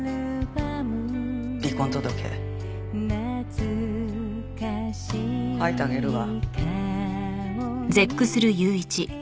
離婚届書いてあげるわ。